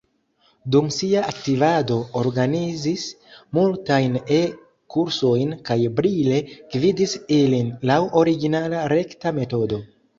Dum sia aktivado organizis multajn E-kursojn kaj brile gvidis ilin laŭ originala rekta metodo.